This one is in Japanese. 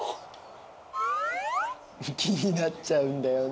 気になっちゃうんだよね。